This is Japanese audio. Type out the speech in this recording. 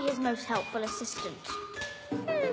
うん。